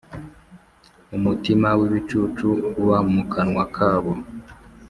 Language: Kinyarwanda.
Umutima w’ibicucu uba mu kanwa kabo,